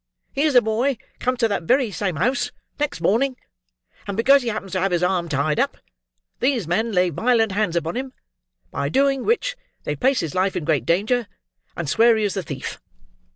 Here's a boy comes to that very same house, next morning, and because he happens to have his arm tied up, these men lay violent hands upon him—by doing which, they place his life in great danger—and swear he is the thief.